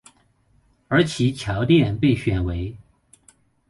而其桥殿被选为。